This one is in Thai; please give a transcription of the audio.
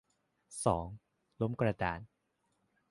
สอง ล้มกระดาน